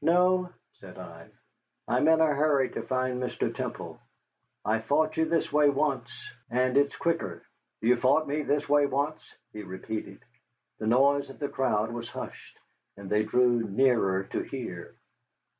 "No," said I; "I am in a hurry to find Mr. Temple. I fought you this way once, and it's quicker." "You fought me this way once?" he repeated. The noise of the crowd was hushed, and they drew nearer to hear.